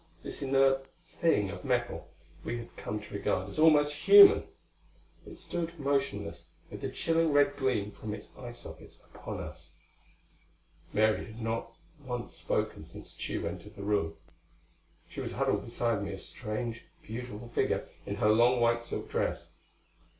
This inert thing of metal, we had come to regard as almost human! It stood motionless, with the chilling red gleam from its eye sockets upon us. Mary had not once spoken since Tugh entered the room. She was huddled beside me, a strange, beautiful figure in her long white silk dress.